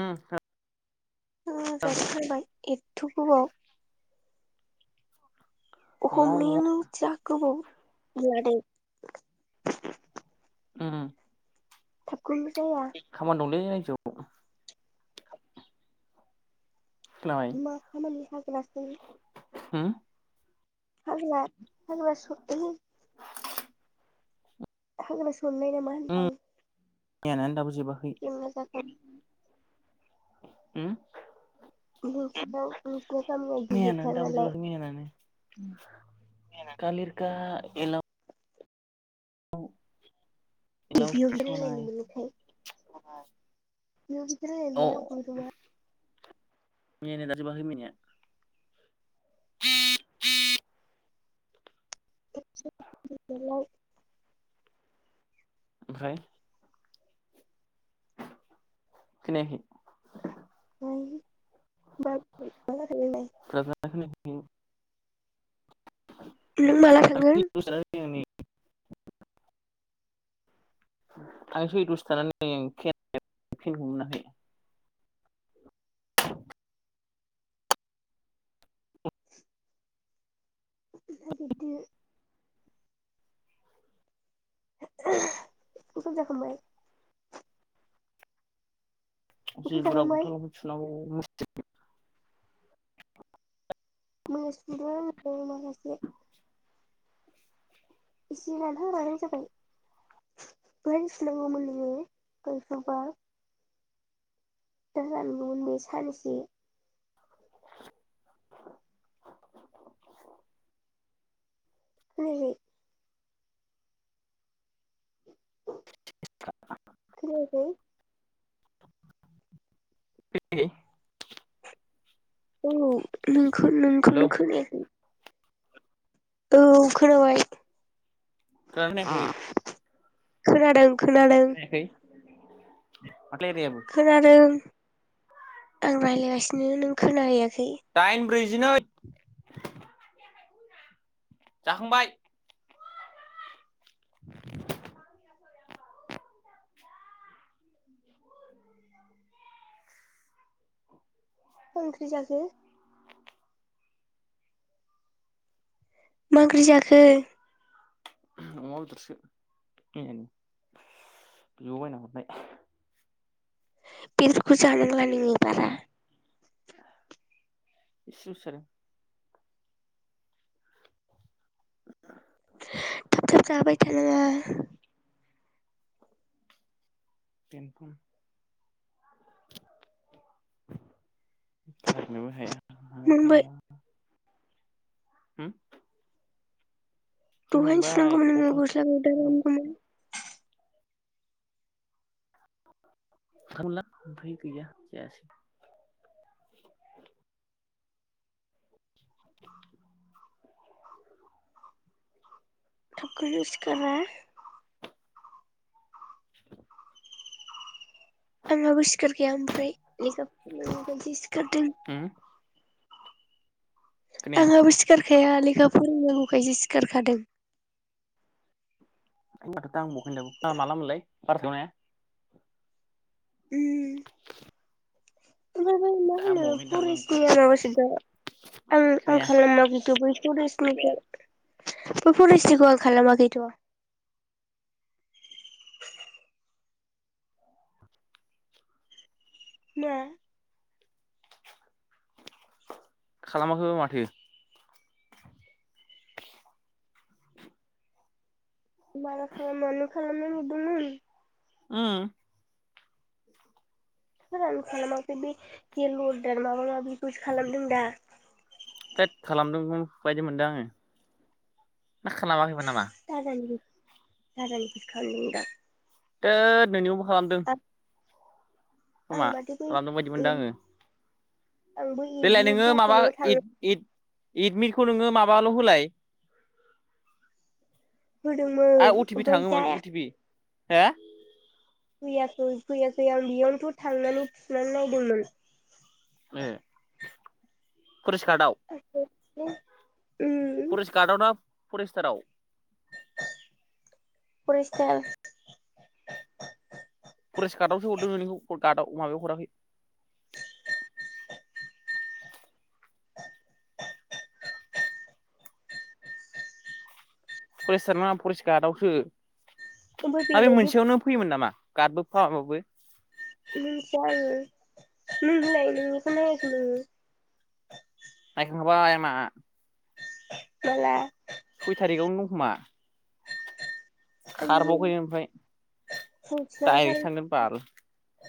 ओम। ओ जाखाथारबाय एथ गोबाव न'आव न'आव [unintelligible] उम उम। थाबखौनो जाया खामानि दंलै। [unintelligible] खोनाबाय मा खामानि हाय। [inaudible] होम। [unintelligible] हाग्रा सननाय ना मा उम होनदां? मैयानानो दाबो जोबाखै। जेंना जाथाव होम। [unintelligible] मैयानानो गिदिरथार दाबो नालाय जोबाखै मैयानानो कालिरखा एल औ। बिदियाव बिदि रायलायनो मोनोखाय। बेयाव बिदि रायज्लायनो मोना बोरमा। मैयानानो दाबो जोबाखै मैयानिया [inaudible] ओमफ्राय खोनायाखै। [inaudible] [inaudible] नों माला थांगोन नि थांसै दसे थानानै फेनखौ मोनाखै हायो [inaudible] ओंखाम जाखांबाय जि ओंखाम बुरजा जाखांबाय गसला लंपेन्ट सुनांगौ [inaudible] [unintelligible] इसे रानहां रानहां जाबाय दहायनो सुनांगौमोन नोंङो दा रान बावगोन सानसे [inaudible] [inaudible] [inaudible] खोनायाखै [inaudible] औ नोंखौनो खोनायाखै औ खोनाबाय खोनादों ना खोनायाखै खोनादों खोनादों [inaudible] खोनादों आं रायज्लायगासिनो नों खोना हैैया दाइन ब्रै बिदिनो जाखांबाय [inaudible] मा ओंख्रि जाखो मा ओंख्रि जाखो अमा बेदरसो मैयानि बिब बायना हरनाय बेदरखौ जानांला नोङो बारा इसेलसो जादों [inaudible] थाब थाब जाबाय थानाङा [inaudible] गारनोबो हाया मोनबाय मानोबो हाया हम दहायनो सुनांगौमोन नोंङो गस्ला गस्लाखौ दा रानगौमोन ला फै गैया जायाासै [inaudible] [inaudible] थबखोनो सिखारा [inaudible] आंहाबो सिखार खाया ओमफ्राय होम [unintelligible] खोनाया आंहाबो सिखारखाया लेखा फोरोंनांगौखायसो सिखारखादों [inaudible] [inaudible] [unintelligible] उम [unintelligible] दांबावाखैनो दाबो आं फरेस्टनि बे। खोनाया बे फरेस्टनिखौ आं खालामाखैथ' ना? खालामाखैबा माथो माला खालामा नों खालामनाय नुदोंमोन? उम होथ आं खालामाखै बे जेल अरदार माबा माबिखौसो खालामदों दा थोद खालामदोंमोन बायदि मोनदों आंङो ना खालामाखैमोन नामा [unintelligible] [unintelligible] [unintelligible] खालामदों आं आं खोमा माथो बै खालामदों बायदि मोनदों आंङो आंबो देलाय एडमिट नोंङो माबा बख'नायाव थांनो इद-इद इदमिटखौ नोंङो माबाल' होलाय आरो होदोंमोन अटिपि ओमफाय थाङोमोन जाया अटिपि हो फैयाखै-फैयाखै आं बेयावनोथ' थांनानै थुनानै नायदोंमोन ए फरेस्टगार्डआव हूम उम फरेस्ट गार्डआव ना फरेस्टाराव? फरेस्टार फरेस्ट गार्डआवसो हरदों नोंनिखौ गार्डआव माबायाव हराखै फरेस्टार नङा फरेस्ट गार्डआवसो ओमफ्राय आरो बेलाय बे मोनसेयावनो फैयोमोन नामा [unintelligible] मोनथिया आङो नोंलाय नोंनिखौ नायाखै नोङो हाबाय आंना माला सय थारिखआवनो दंखोमा आंनि खारबावाखै ओमफाय फुंखियानो डाइरेक्टसो खारै थांगोन बाल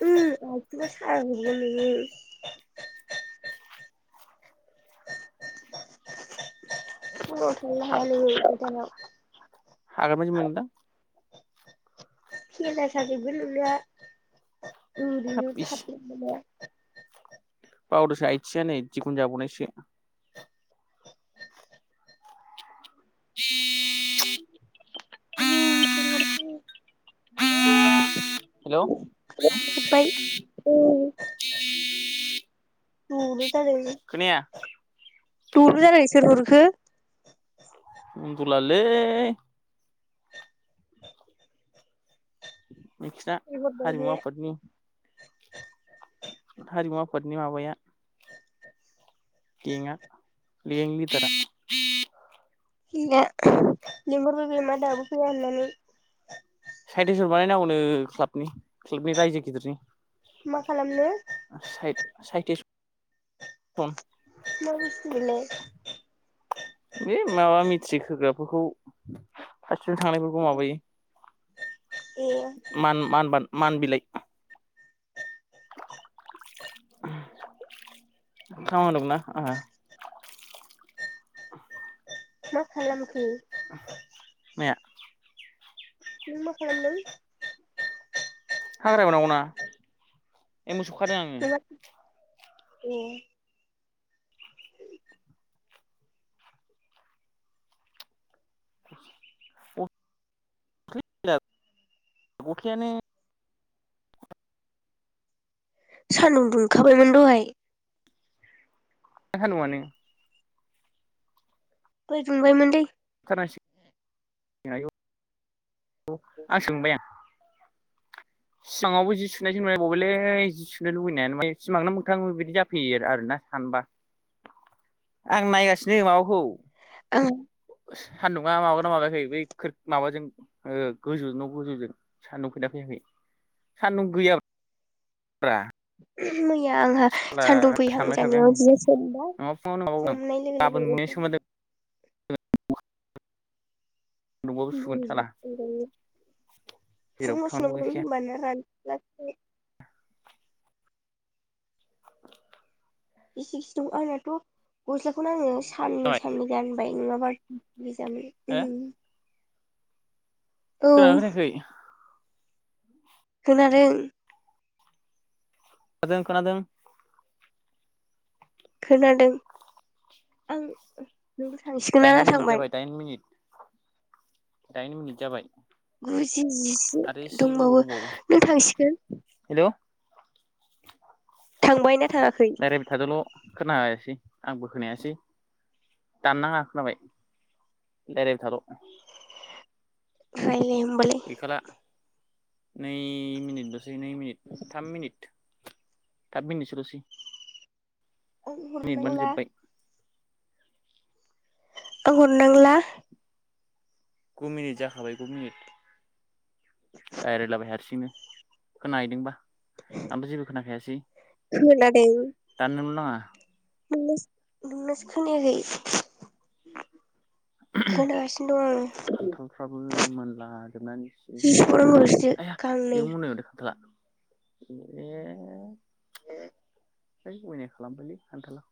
[unintelligible] फुङाव थांनो हाया नों फोथाराव हागोन बादि मोनदां फेनदा साजोबगोन नोंनिया ओ हाब दोहैयो थाब [inaudible] बावदोसो आयथिङा नै दिगुन जाबावनायसो [inaudible] आयौ हेल' [inaudible] ओ [unintelligible] [unintelligible] खोनाया दुरबो जानाय सोर हरखो बुंन्दुलालै [inaudible] नोंखिजा लिंहरबाय हारिमु बे आफादनि हारिमु आफादनि माबाया गेंआ गें लिदारा [inaudible] मा दावराव फैया होननानै [unintelligible] क्लाबनि क्लाबनि रायजो गिदिरनि मा खालामनो [unintelligible] सम मा बुस्तु बेलाय बे माबा मेट्रिक होग्राफोरखौ बिसोर थांनायफोरखौ माबायो ए मान मान बिलाइ खामा दंना आहा मा खालामखो माया नों मा खालामदों हाग्रा एवनांगौमोन मा ए मोसौखादों आङो नोंहा ए [inaudible] [inaudible] अखायानो सान्दुं दुंखाबायमोन दहाय [inaudible] दहै दुमबाय मोनलै [inaudible] औ आ सोंबाय आं सिमाङावबो जि सुनायसो नुलाय बावबायलै जि सुनो लुबैनायानो माने सिमांनो मोगथां बिदि जाफैयो आरोना सानबा। आं नायगासिनो माबाखौ। आं [unintelligible] ना माबाना माबायाखै बै माबाजों गोजौ न' गोजौजों सान्दुं फैदोना फैयाखै सान्दुं गैयाब्रा। [inaudible] मैया आंहा सान्दुं सानबाय थाबाय फैहांजानायाव आङो जिया सोमबाय नङा फुङावनो माबागोन सोमनाय गाबोन लोगो मोनैनि लोगो सोमोन्दो दंबाबो सुगोन साला [unintelligible] जेरावबो थांनांगौ गैखाया [unintelligible] गिसि गिसि दं आंनाथ' गस्लाखौनो आङो साननै जाबाय साननै गानबाय नङाबा [inaudible] [unintelligible] औ खोनादोना खोनायाखै? खोनादों। खोनादों खोनादों। खोनादों आं। नोंबो थांसिगोन ना थांबाय? डाइन मिनिट जाबाय। गुजि जिसे आरो एसे गोबाव दंबावो नों थांसिगोन? थांबाय ना थाङाखै [inaudible] रायलायबाय थादोल' खोना [unintelligible] [unintelligible] आंबो खोनायासै दाननाङा खोनाबाय रायलायबाय थाल'। [unintelligible] गैखाला। नै मिनिट [unintelligible] जिनै मिनिट थाम मिनिट थाम मिनिटसो लसै [unintelligible] आं हरनांला? गु मिनिट जाखाबाय गु मिनिट रायलायलाबाय हारसिंनो खोनाहैदोंबा। आंबो जेबो खोनाखायासै खोनादों दाननोल' नाङा। [inaudible] नोंनासो नोंनासो खोनायाखै। खोनागासिनो दं आं खान्थालफ्राबो मोनला जोबनानै जि [unintelligible] सौनांगौल'सो आइया गांनै बेयावबो आं मोनबाय माथो खान्थाला। ए होय अयनाय खालामबायलै खान्थाला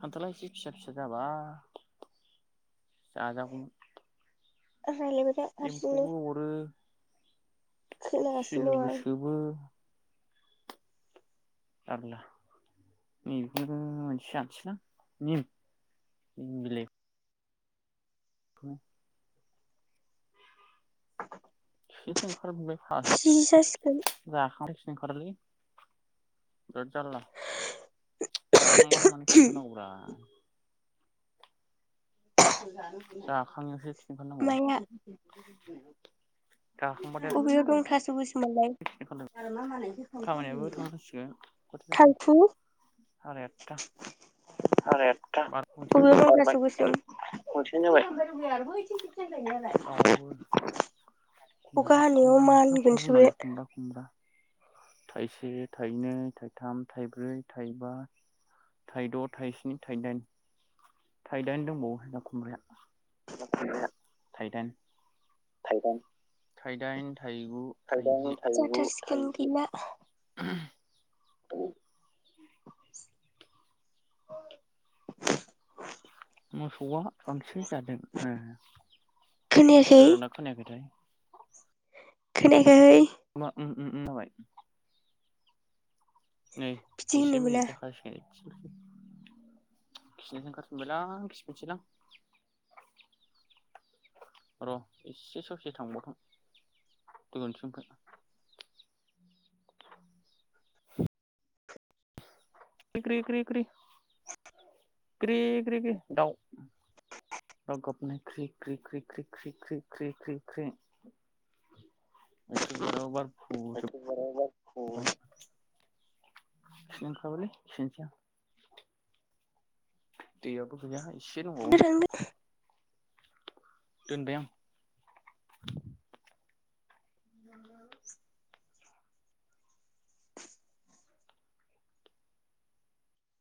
खान्थाला एसे फिसा फिसा जाबा जाजागौमोन रायलायबायथा हारसिंनो खोनागासिनो दं सेलबो आं सोबो [unintelligible] [unintelligible] [inaudible] [inaudible] [unintelligible] [unintelligible] जि जासिगोन बिराद जारला जाखांबानो मानो खिनो ओंखारनांगौब्रा जाखांनायावसो खिनो ओंखारनांगौ [unintelligible] जाखांबाथाय बबेयाव दं थास' गोसोम खिनो ओंखारलायबाय खामानियाबो थांनांसिगोन खयथा जाखो साराय आठथा [unintelligible] साराय आतथा बार' मोनसेयानो जाबाय बबेयाव दं थास' गोसोम दाउआबो [unintelligible] [unintelligible] खुमब्रा खुमब्रा नोंसिना खुमब्रा मानगोनसो दंना बे गैया खुमब्रा खुमब्रा थाइसे थाइनै थाइथाम थाइब्रै थाइबा थाइद' थाइस्नि थाइदाइन थाइदाइन दंबावो ना खुमब्राया थाइदेण्ड थाइदाइन थाइदाणड थाइगु थाइजि [unintelligible] [inaudible] औ मोसौआ बांसिन जादों खोनायाखै खोनादाना खोनायाखैथाय? खोनाया [unintelligible] उ-उ [unintelligible] नै बिदि होननो जिसे मोना मिनिट जाखासिगोन। खिनोसो ओंखारफिनबायलां खिफिनसैदलां र' एसे ससे थांबावथों दुगैनोसै ओमफ्राय [unintelligible] [inaudible] ग्रि ग्रि ग्रि दाउ दाउ गाबनाय क्रि क्रि क्रि क्रि क्रि क्रि क्रि क्रि क्रि मैथ्रु बिबाराबो बारफुजो एखेबारे बारखौ ओमफाय खिनो ओंखारबायलै खिहैसै आं। दै आबो गैयाहाय एसे दंबावो दोनबाय आं। [inaudible]